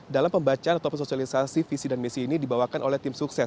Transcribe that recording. dalam pembacaan ataupun sosialisasi visi dan misi ini dibawakan oleh tim sukses